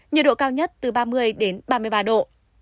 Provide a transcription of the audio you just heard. nhiệt độ cao nhất từ ba mươi đến ba mươi ba độ